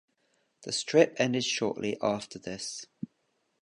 The strip ended shortly after this.